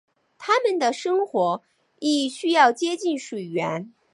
它们的生活亦需要接近水源。